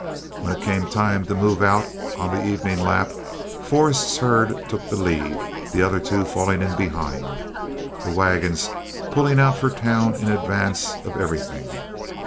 When it came time to move out on the evening lap, Forrest's herd took the lead, the other two falling in behind, the wagons pulling out for town in advance of everything.